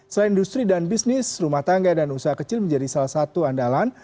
selain industri dan bisnis rumah tangga dan usaha kecil menjadi salah satu andalan